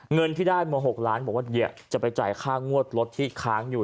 เงินที่ได้มา๖ล้านบอกว่าเดี๋ยวจะไปจ่ายค่างวดรถที่ค้างอยู่